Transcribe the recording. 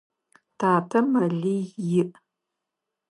Татэ мэлий иӏ.